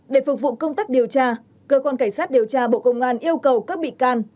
để phục vụ công tác điều tra cơ quan cảnh sát điều tra bộ công an yêu cầu các bị can